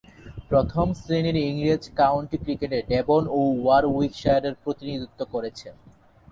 প্রথম-শ্রেণীর ইংরেজ কাউন্টি ক্রিকেটে ডেভন ও ওয়ারউইকশায়ারের প্রতিনিধিত্ব করেছেন।